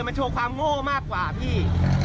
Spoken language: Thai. มันโชว์ความโง่มากกว่าพี่